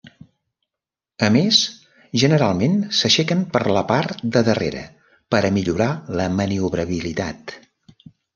A més, generalment s'aixequen per la part de darrere per a millorar la maniobrabilitat.